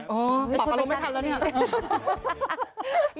อ๋อปรับประโยชน์ไม่ทันแล้วเนี่ย